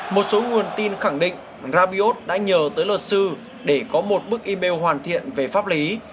một số nguồn tin khẳng định rabios đã nhờ tới luật sư để có một bức email hoàn thiện về pháp lý